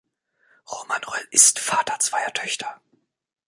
Roman Roell ist Vater zweier Töchter.